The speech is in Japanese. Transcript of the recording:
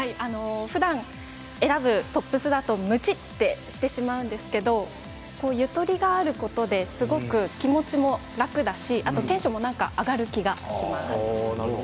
ふだん選ぶトップスだとむちっとしてしまうんですけれども、ゆとりがあることで気持ちも楽だしテンションも上がる気がします。